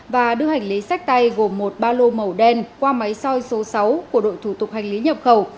và đưa hành lý sách tay gồm một ba lô màu đen qua máy soi số sáu của đội thủ tục hành lý nhập khẩu